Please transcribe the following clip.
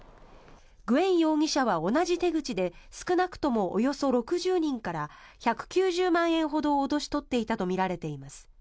グエン容疑者は同じ手口で少なくともおよそ６０人から１９０万円ほどを脅し取っていたとみられます。